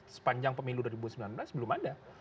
sepanjang pemilu dua ribu sembilan belas belum ada